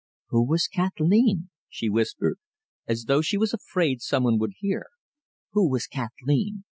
"Who was Kathleen?" she whispered, as though she was afraid some one would hear. "Who was Kathleen!"